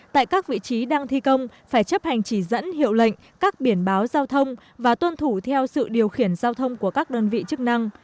tại các vị trí đang thi công phải chấp hành chỉ dẫn hiệu lệnh các biển báo giao thông và tuân thủ theo sự điều khiển giao thông của các đơn vị chức năng